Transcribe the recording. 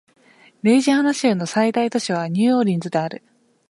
ルイジアナ州の最大都市はニューオーリンズである